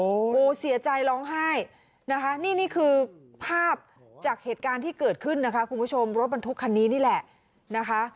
โอ้โหเสียใจร้องไห้นะคะนี่นี่คือภาพจากเหตุการณ์ที่เกิดขึ้นนะคะคุณผู้ชมรถบรรทุกคันนี้นี่แหละนะคะ